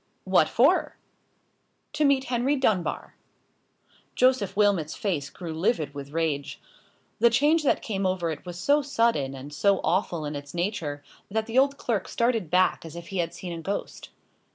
"What for?" "To meet Henry Dunbar." Joseph Wilmot's face grew livid with rage. The change that came over it was so sudden and so awful in its nature, that the old clerk started back as if he had seen a ghost.